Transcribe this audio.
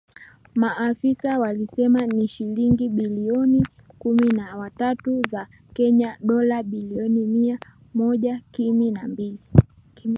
Maafisa walisema ni shilingi bilioni kumi na tatu za Kenya dola milioni Mia Moja Kimi na mbili